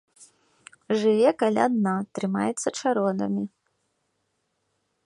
Жыве каля дна, трымаецца чародамі.